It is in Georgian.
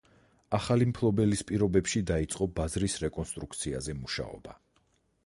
ახალი მფლობელის პირობებში დაიწყო ბაზრის რეკონსტრუქციაზე მუშაობა.